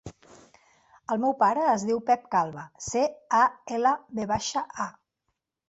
El meu pare es diu Pep Calva: ce, a, ela, ve baixa, a.